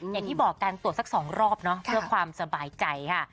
อย่างที่บอกการตรวจสัก๒รอบเนอะเพื่อความสบายใจค่ะ